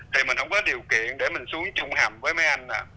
thì mình không có điều kiện để mình xuống trung hầm với mấy anh à